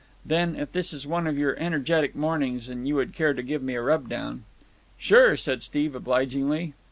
Then, if this is one of your energetic mornings and you would care to give me a rub down——" "Sure," said Steve obligingly.